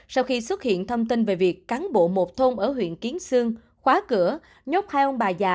sau khi xuất hiện thông tin về việc cán bộ một thôn ở huyện kiến sương khóa cửa nhốp hai ông bà già